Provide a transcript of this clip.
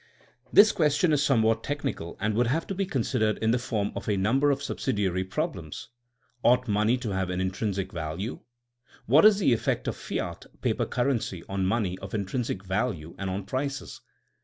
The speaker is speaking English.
This question is somewhat technical, and would have to be considered in the form of a number of subsidiary problems. Ought money to have an intrinsic value t What is the effect of fiat'* paper currency on money of intrinsic value and on prices